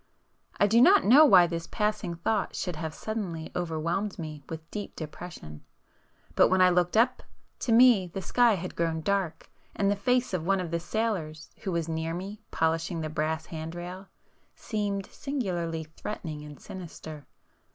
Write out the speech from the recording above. I do not know why this passing thought should have suddenly overwhelmed me with deep depression,—but when I looked up, to me the sky had grown dark, and the face of one of the sailors who was near me polishing the brass hand rail, seemed singularly threatening and sinister.